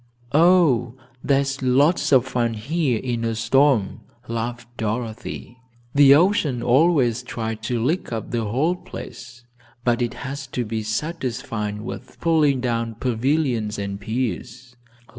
"Oh, there's lots of fun here in a storm," laughed Dorothy. "The ocean always tries to lick up the whole place, but it has to be satisfied with pulling down pavilions and piers.